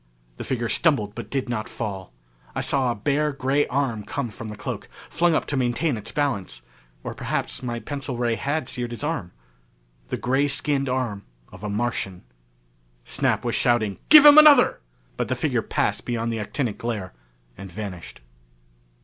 The figure stumbled but did not fall. I saw a bare gray arm come from the cloak, flung up to maintain its balance. Or perhaps my pencil ray had seared his arm. The gray skinned arm of a Martian. Snap was shouting, "Give him another!" But the figure passed beyond the actinic glare and vanished.